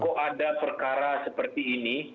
kok ada perkara seperti ini